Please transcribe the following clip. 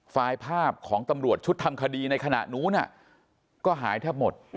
ไฟล์ภาพของตำรวจชุดทำคดีในขณะนู้นก็หายแทบหมด